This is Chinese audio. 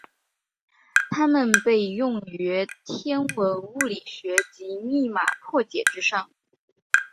它们被用于天文物理学及密码破解之上。